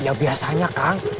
ya biasanya kang